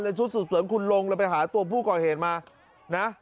เลยชุดสุดเสริมคุณลงแล้วไปหาตัวผู้ก่อเหตุมานะ